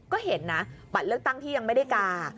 ก็เห็นนะบัตรเลือกตั้งที่ยังไม่ได้กา